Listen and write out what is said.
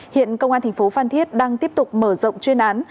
hiện công an thành phố phan thiết đang tiếp tục mở rộng chuyên án